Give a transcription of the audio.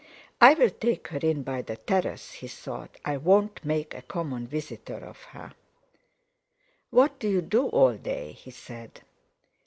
"I'll take her in by the terrace," he thought: "I won't make a common visitor of her." "What do you do all day?" he said.